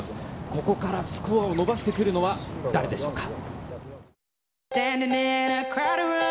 ここからスコアを伸ばしてくるのは誰でしょうか？